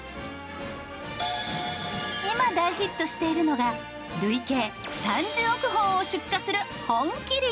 今大ヒットしているのが累計３０億本を出荷する本麒麟。